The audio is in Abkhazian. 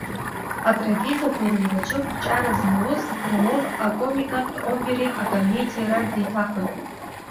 Атрагедиақәа рыҩраҿы қәҿиара змоуз Крылов акомикатә опереи акомедиеи рахь деиҭахынҳәит.